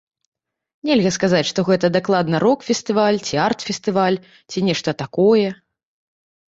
Нельга сказаць, што гэта дакладна рок-фестываль, ці арт-фестываль ці нешта такое.